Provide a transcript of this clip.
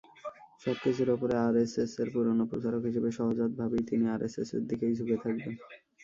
সবকিছুর ওপরে আরএসএসের পুরোনো প্রচারক হিসেবে সহজাতভাবেই তিনি আরএসএসের দিকেই ঝুঁকে থাকবেন।